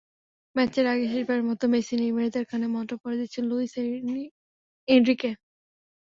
ম্যাচের আগে শেষবারের মতো মেসি-নেইমারদের কানে মন্ত্র পড়ে দিচ্ছেন লুইস এনরিকে।